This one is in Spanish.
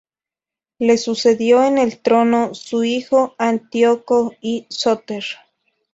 Le sucedió en el trono su hijo Antíoco I Sóter.